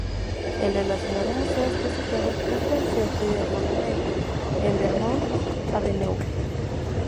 El relacionado museo está situado justo enfrente del monumento en Vermont Avenue.